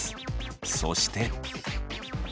そして。